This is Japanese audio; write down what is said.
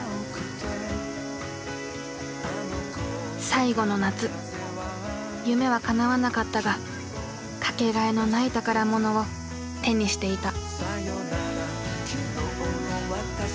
最後の夏夢はかなわなかったがかけがえのない宝物を手にしていた。